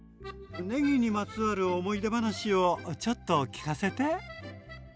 ねぎにまつわる思い出話をちょっと聞かせて？